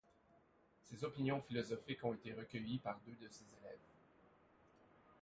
Ses opinions philosophiques ont été recueillies par deux de ses élèves.